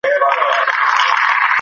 خلګ څنګه له نوي قانون خبريږي؟